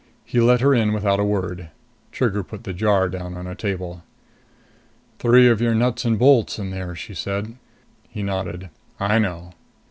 He let her in without a word. Trigger put the jar down on a table. "Three of your nuts and bolts in there," she said. He nodded. "I know."